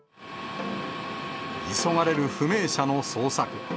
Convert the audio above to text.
急がれる不明者の捜索。